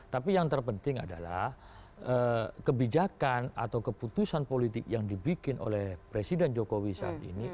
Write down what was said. tapi yang terpenting adalah kebijakan atau keputusan politik yang dibikin oleh presiden jokowi saat ini